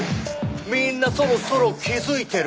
「みんなそろそろ気づいてる？」